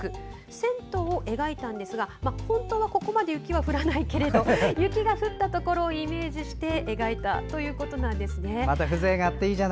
銭湯を描いたんですが本当はここまで雪は降らないけれど雪が降ったところをイメージして描いたということです。